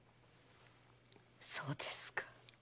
そうですか。